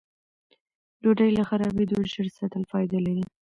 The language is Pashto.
ډوډۍ له خرابېدو ژر ساتل فایده لري.